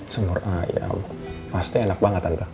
semur ayam pasti enak banget tante